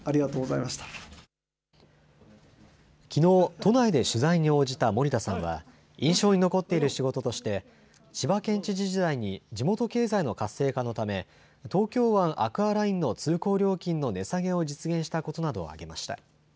都内で取材に応じた森田さんは、印象に残っている仕事として、千葉県知事時代に地元経済の活性化のため、東京湾アクアラインの通行料金の値下げを実現したことなどを挙げました。